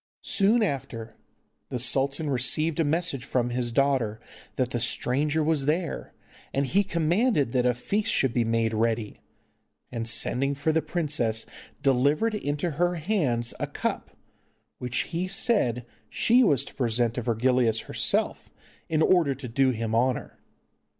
Soon after, the sultan received a message from his daughter that the stranger was there, and he commanded that a feast should be made ready, and, sending for the princess delivered into her hands a cup, which he said she was to present to Virgilius herself, in order to do him honour.